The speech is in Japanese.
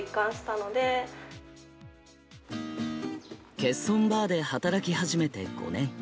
欠損バーで働き始めて５年。